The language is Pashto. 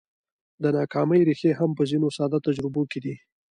د ناکامۍ ريښې هم په ځينو ساده تجربو کې دي.